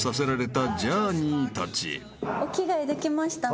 お着替えできましたね。